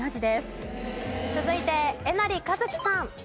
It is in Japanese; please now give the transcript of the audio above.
続いてえなりかずきさん。